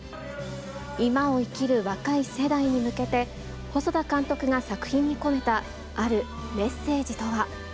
今を生きる若い世代に向けて、細田監督が作品に込めたあるメッセージとは。